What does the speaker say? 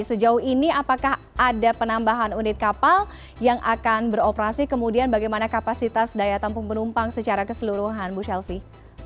sejauh ini apakah ada penambahan unit kapal yang akan beroperasi kemudian bagaimana kapasitas daya tampung penumpang secara keseluruhan bu shelfie